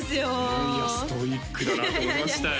いやいやストイックだなと思いましたよ